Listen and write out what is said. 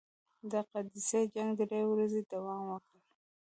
د قادسیې جنګ درې ورځې دوام وکړ.